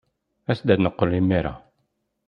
As-d ad neqqel imir-a.